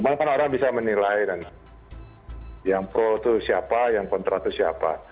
bagaimana orang bisa menilai yang pro itu siapa yang kontra itu siapa